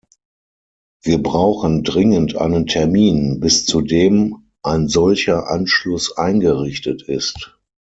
Wir brauchen dringend einen Termin, bis zum dem eines solcher Anschluss eingerichtet ist.